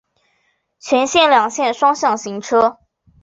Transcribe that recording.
全线两线双向行车。